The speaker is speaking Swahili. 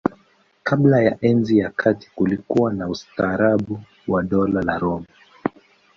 Kabla ya Enzi ya Kati kulikuwa na ustaarabu wa Dola la Roma.